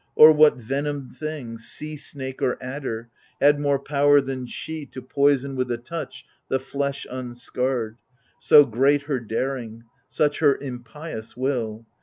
or what venomed thing, Sea snake or adder, had more power than she To poison with a touch the flesh unscarred ? So great her daring, such her impious will.